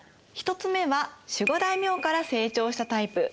１つ目は守護大名から成長したタイプ。